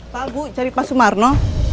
pak bu cari pak sumarno